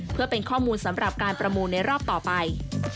เพื่อเป็นข้อมูลสำหรับการประมูลในรอบต่อไป